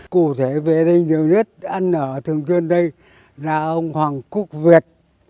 cụ thể về đây nhiều nhất ăn ở thường truyền đây là ông hoàng cúc việt